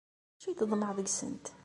D acu i teḍmeε deg-sent?